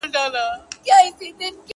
بيزو وان چي سو پناه د دېوال شا ته!!